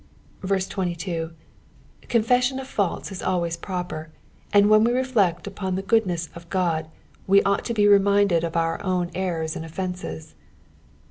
22. Confession of faults is always proper ; and when we reflect Upon the good ness of God, we ought to be reminded of our own errors and offences.